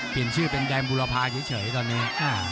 เปลี่ยนชื่อเป็นแดงบุรพาเฉยตอนนี้